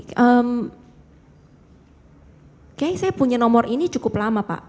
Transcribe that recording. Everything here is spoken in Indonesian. kayaknya saya punya nomor ini cukup lama pak